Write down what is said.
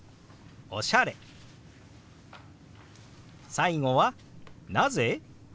最後は「なぜ？」。